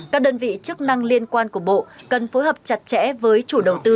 các đơn vị chức năng liên quan của bộ cần phối hợp chặt chẽ với chủ đầu tư